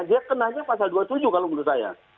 dia kenanya pasal dua puluh tujuh kalau menurut saya